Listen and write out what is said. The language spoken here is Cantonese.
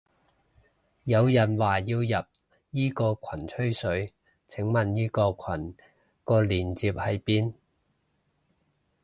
有人話要入依個羣吹水，請問依個羣個鏈接喺邊？